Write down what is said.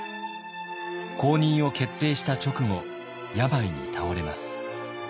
後任を決定した直後病に倒れます。